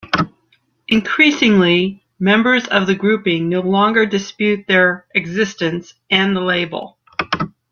Increasingly members of the grouping no longer dispute their existence and the label.